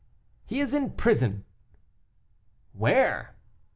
"He is in prison?" "Where?"